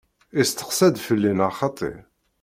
Isteqsa-d felli neɣ xaṭṭi?